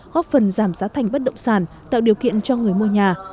góp phần giảm giá thành bất động sản tạo điều kiện cho người mua nhà